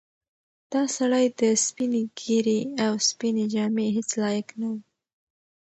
دا سړی د سپینې ږیرې او سپینې جامې هیڅ لایق نه و.